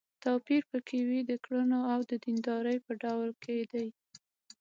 توپير په کې وي د کړنو او د دیندارۍ په ډول کې دی.